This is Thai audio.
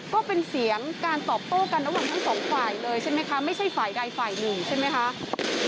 ก็เป็นเสียงการตอบโต้กันระหว่างทั้งสองฝ่ายเลยใช่ไหมคะไม่ใช่ฝ่ายใดฝ่ายหนึ่งใช่ไหมคะ